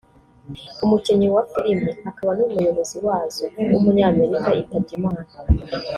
umukinnyi wa filime akaba n’umuyobozi wazo w’umunyamerika yitabye Imana